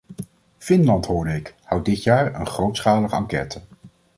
Finland, hoorde ik, houdt dit jaar een grootschalige enquête.